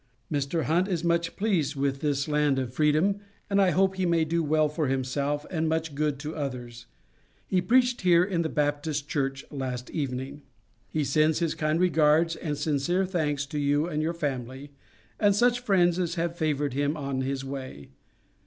Mr. Hunt is much pleased with this land of freedom, and I hope he may do well for himself and much good to others. He preached here in the Baptist church, last evening. He sends his kind regards and sincere thanks to you and your family, and such friends as have favored him on his way.